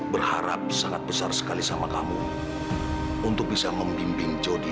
berharap sangat besar sekali sama kamu untuk bisa membimbing jody